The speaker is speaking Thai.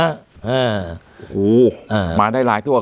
เหอมาได้หลายตัว